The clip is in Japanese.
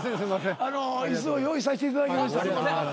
椅子を用意させていただきました。